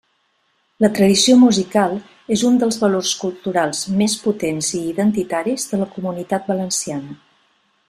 La tradició musical és un dels valors culturals més potents i identitaris de la Comunitat Valenciana.